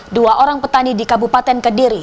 dua orang petani di kabupaten kediri